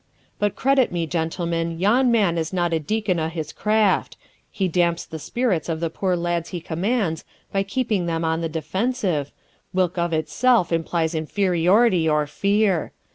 But credit me, gentlemen, yon man is not a deacon o' his craft. He damps the spirits of the poor lads he commands by keeping them on the defensive, whilk of itself implies inferiority or fear.